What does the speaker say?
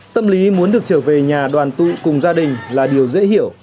tâm lý muốn được trở về nhà đoàn tụ cùng gia đình là điều dễ hiểu